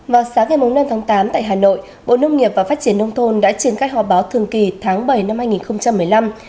vào sáng ngày năm tháng tám tại hà nội bộ nông nghiệp và phát triển nông thôn đã triển khai họp báo thường kỳ tháng bảy năm hai nghìn một mươi năm